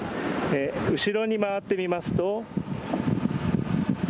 後ろに回ってみますと。